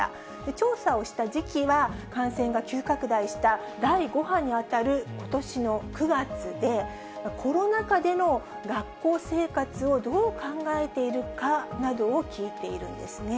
調査をした時期は、感染が急拡大した第５波に当たることしの９月で、コロナ禍での学校生活をどう考えているかなどを聞いているんですね。